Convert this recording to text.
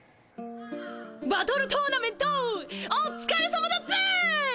バトルトーナメントおっつかれさまだぜい！